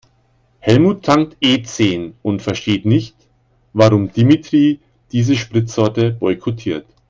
Helmut tankt E-zehn und versteht nicht, warum Dimitri diese Spritsorte boykottiert.